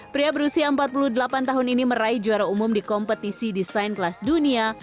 pria berusia empat puluh delapan tahun ini meraih juara umum di kompetisi desain kelas dunia